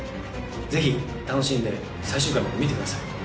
ぜひ楽しんで最終回まで見てください。